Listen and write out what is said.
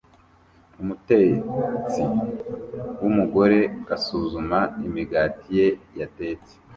Umutetsi wumugore asuzuma imigati ye yatetse